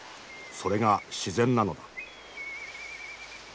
それが自然なのだ。